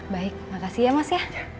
baik makasih ya mas ya